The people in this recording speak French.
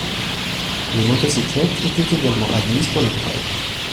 Les motocyclettes étaient également admises pour l'épreuve.